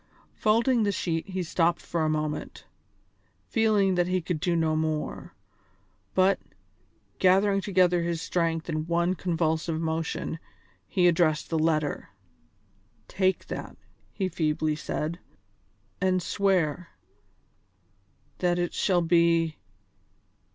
Folding the sheet he stopped for a moment, feeling that he could do no more; but, gathering together his strength in one convulsive motion, he addressed the letter. "Take that," he feebly said, "and swear ... that it shall be